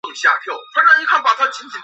他的生平在沃尔索尔博物馆展出。